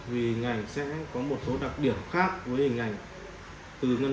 vì hình ảnh sẽ có một số đặc điểm khác với hình ảnh từ ngân hàng trung tống